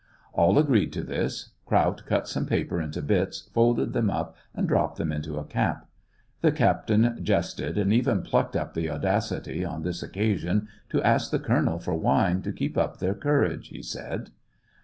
All agreed to this. Kraut cut some paper into bits, folded them up, and dropped them into a cap. The captain jested, and even plucked up the audacity, on this occasion, to ask the colonel for wine, to keep up their courage, he said.